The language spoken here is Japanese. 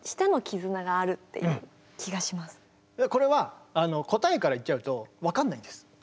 これは答えから言っちゃうと分かんないんです。